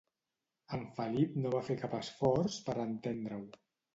En Felip no va fer cap esforç per entendre-ho.